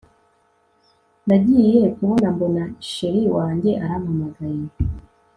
Nagiye kubona mbona Chr wanjye arampamagaye